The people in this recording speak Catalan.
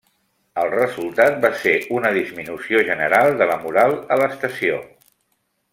El resultat va ser una disminució general de la moral a l'estació.